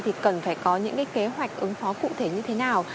thì cần phải có những kế hoạch ứng phó cụ thể như thế nào